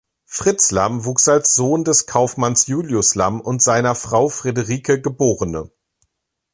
Fritz Lamm wuchs als Sohn des Kaufmanns Julius Lamm und seiner Frau Friederike geb.